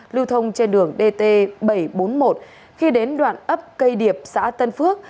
lưu thông trên đường dt bảy trăm bốn mươi một khi đến đoạn ấp cây điệp xã tân phước